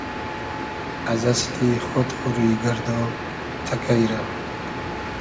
از اسلی خۉد خو روی گئردۉ تئکݷ رۂ؟